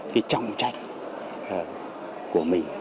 cái trọng trách của mình